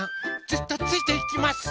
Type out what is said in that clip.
ずっとついていきます。